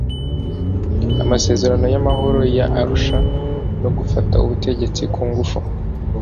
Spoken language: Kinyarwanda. amasezerano y'amahoro ya arusha no gufata ubutegetsi ku ngufu.